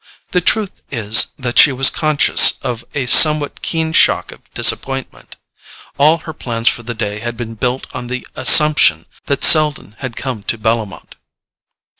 The truth is that she was conscious of a somewhat keen shock of disappointment. All her plans for the day had been built on the assumption that it was to see her that Selden had come to Bellomont.